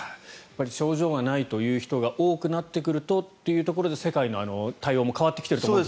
症状がないという人が多くなってくるとというところで世界の対応も変わってきているという。